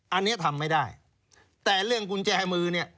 อันนี้ทำไม่ได้แต่เรื่องกุญแจมือเนี่ย